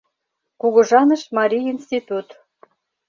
Кугыжаныш марий институт.